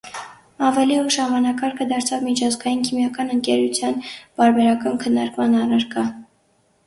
Ավելի ուշ անվանակարգը դարձավ միջազգային քիմիական ընկերության պարբերական քննարկման առարկա։